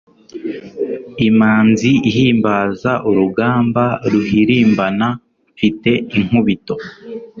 Imanzi ihimbaza urugamba ruhirimbana mfite inkubito